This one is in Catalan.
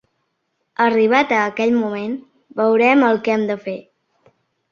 Arribat a aquell moment, veurem el que hem de fer.